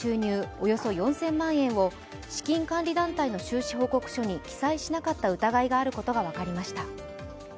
およそ４０００万円を資金管理団体の収支報告書に記載しなかった疑いがあることが分かりました。